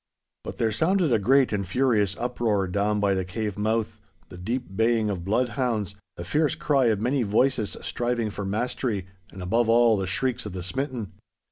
But there sounded a great and furious uproar down by the cave mouth, the deep baying of bloodhounds, the fierce cry of many voices striving for mastery, and above all the shrieks of the smitten.